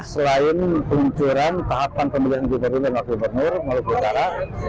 selain peluncuran tahapan pemilihan gubernur dan wakil gubernur maluku utara